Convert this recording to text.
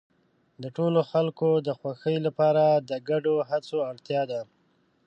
د ټولو خلکو د خوښۍ لپاره د ګډو هڅو اړتیا ده.